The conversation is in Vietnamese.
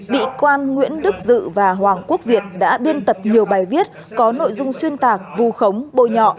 bị quan nguyễn đức dự và hoàng quốc việt đã biên tập nhiều bài viết có nội dung xuyên tạc vù khống bôi nhọ